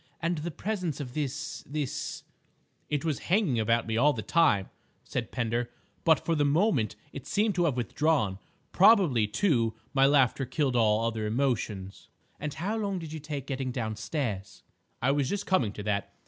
"And the presence of this—this—?" "It was hanging about me all the time," said Pender, "but for the moment it seemed to have withdrawn. Probably, too, my laughter killed all other emotions." "And how long did you take getting downstairs?" "I was just coming to that.